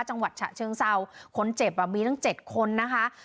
จังหวัดเชียงเศร้าคนเจ็บมีทั้ง๗คนนะคะ